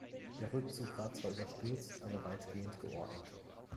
Der Rückzug war zwar überstürzt, aber weitgehend geordnet.